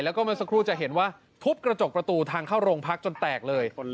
แล้วก็เมื่อสักครู่จะเห็นว่าทุบกระจกประตูทางเข้าโรงพักจนแตกเลย